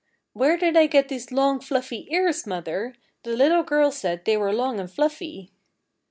"Where did I get these long, fluffy ears, mother? The little girl said they were long and fluffy."